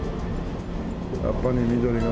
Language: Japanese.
やっぱり緑が多い。